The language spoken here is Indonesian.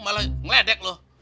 malah ngeledek lu